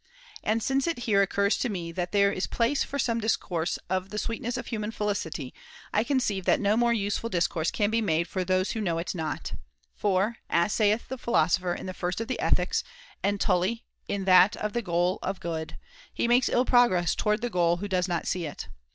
And since []io] it here occurs to me that there is place for some discourse of the sweetness of human felicity, I conceive that no more useful discourse can be made for those who XXII. THE FOURTH TREATISE 335 know it not; for (as saith the Philosopher in the Mental first of the Ethics, and Tully in that of the Goal appetite of Good) he makes ill progress towards the goal who does not see it.